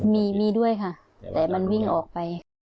มีมีด้วยค่ะแต่มันวิ่งออกไป